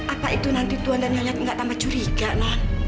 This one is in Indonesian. apa itu nanti tuhan dan nyonya gak tambah curiga non